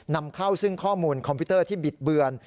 นำเข้าซึ่งข้อมูลคอมพิวเตอร์ที่บิดเบือน